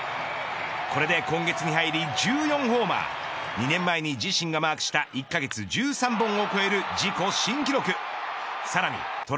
これで今月に入り１４ホーマー２年前に自身がマークした１カ月１３本を超える自己新記録。